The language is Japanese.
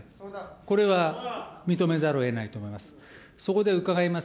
これは認めざるをえないと思います。